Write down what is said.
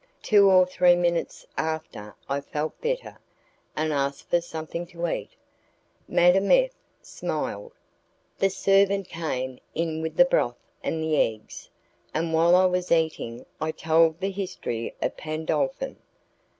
Two or three minutes after I felt better, and asked for something to eat. Madame F smiled. The servant came in with the broth and the eggs, and while I was eating I told the history of Pandolfin.